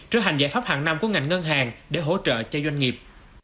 trở thành giải pháp hàng năm của ngành ngân hàng để hỗ trợ cho doanh nghiệp